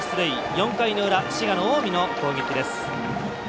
４回の裏、滋賀の近江の攻撃です。